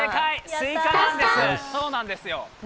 スイカなんです、そうなんですよ。